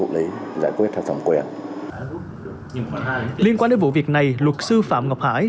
liên quan đến vụ việc này luật sư phạm ngọc hải